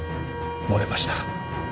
漏れました。